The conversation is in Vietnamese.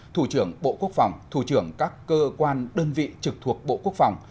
thủ trưởng bộ quốc phòng thủ trưởng các cơ quan đơn vị trực thuộc bộ quốc phòng